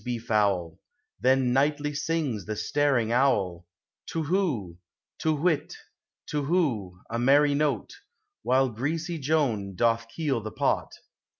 »<• foul, Then nightly sings the staring owl, To whoo; To whit, to whoo, a merry note While greasy .loan doth keel the pot.